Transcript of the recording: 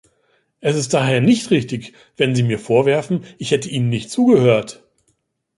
Es ist daher nicht richtig, wenn Sie mir vorwerfen, ich hätte Ihnen nicht zugehört.